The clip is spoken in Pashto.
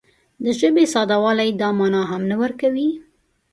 د ژبې ساده والی دا مانا هم نه ورکوي